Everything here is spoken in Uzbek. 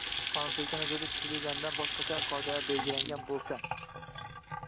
qonunchiligida nazarda tutilganidan boshqacha qoidalar belgilangan bo‘lsa